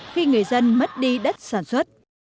khi người dân mất đi đất sản xuất